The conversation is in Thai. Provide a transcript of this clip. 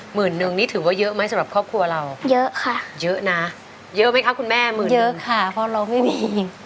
หมื่นนึงนี่ถือว่าเยอะไหมสำหรับครอบครัวเราเยอะค่ะเยอะนะเยอะไหมคะคุณแม่หมื่นเยอะค่ะเพราะเราไม่มี